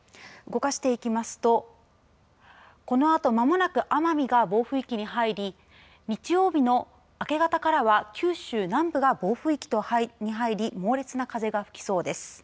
動かしていきますとこのあとまもなく奄美が暴風域に入り日曜日の明け方からは九州南部が暴風域に入り猛烈な風が吹きそうです。